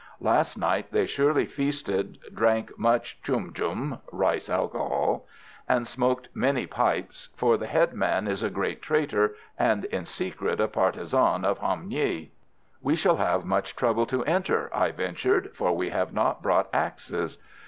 Last night they surely feasted, drank much choum choum (rice alcohol), and smoked many pipes, for the headman is a great traitor, and in secret a partisan of Ham Nghi." "We shall have much trouble to enter," I ventured, "for we have not brought axes."